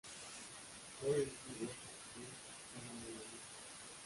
Él y Booker T ganaron la lucha.